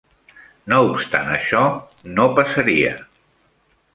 No obstant això, no passaria.